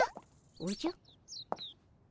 おじゃ？